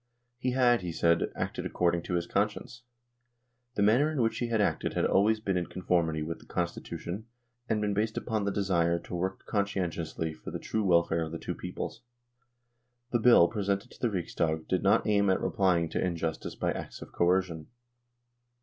He had, he said, acted according to his conscience. The manner in which he had acted had always been in conformity with the Constitution and been based upon the desire to work conscientiously for the true welfare of the two peoples. The Bill presented to the Riksdag did not aim at replying to injustice by acts of coercion.